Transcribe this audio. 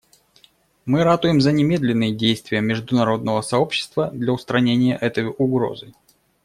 Мы ратуем за немедленные действия международного сообщества для устранения этой угрозы.